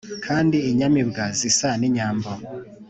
Kandi inyamibwa zisa n'inyambo.